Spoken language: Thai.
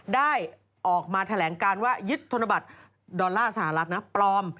ได้ออกมาแถลงการว่ายึดธนบัตรดอลลาร์สหรัฐนะปลอม